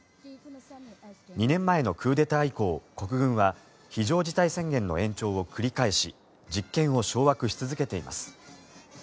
２年前のクーデター以降、国軍は非常事態宣言の延長を繰り返し実権を掌握し続けています。